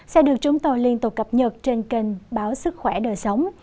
sẽ được chúng tôi liên tục cập nhật trên kênh báo sức khỏe đời sống